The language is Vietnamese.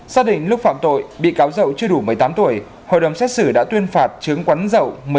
sau đỉnh lúc phạm tội bị cáo dậu chưa đủ một mươi tám tuổi hội đồng xét xử đã tuyên phạt chứng quấn dậu